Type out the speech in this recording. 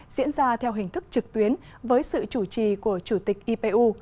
diễn ra theo hình thức trực tuyến với sự chủ trì của chủ tịch ipu